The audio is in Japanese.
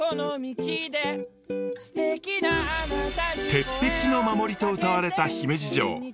鉄壁の守りとうたわれた姫路城。